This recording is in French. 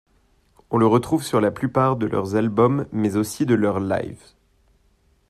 On le retrouve sur la plupart de leurs albums mais aussi de leurs lives.